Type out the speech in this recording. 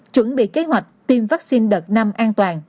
chuẩn bị kế hoạch tiêm vaccine đợt